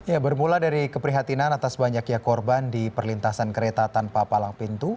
ya bermula dari keprihatinan atas banyaknya korban di perlintasan kereta tanpa palang pintu